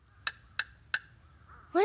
あれ？